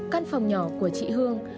căn phòng nhỏ của chị hương